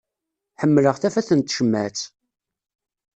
Ḥemmleɣ tafat n tcemmaεt.